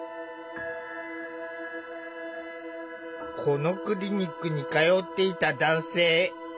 このクリニックに通っていた男性。